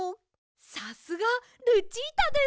さすがルチータです！